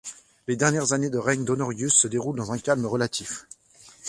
Les dernières années de règne d'Honorius se déroulent dans un calme relatif.